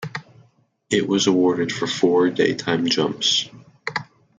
It was awarded for four daytime jumps.